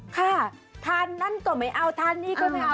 ค่ะทานนั้นก็ไม่เอาทานนี้ก็ไม่เอา